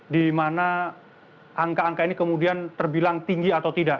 di mana angka angka ini kemudian terbilang tinggi atau tidak